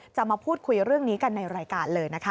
มาพูดคุยเรื่องนี้กันในรายการเลยนะคะ